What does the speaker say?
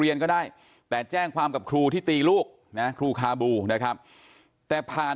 ก็ได้แต่แจ้งความกับครูที่ตีลูกนะครูคาบูนะครับแต่ผ่าน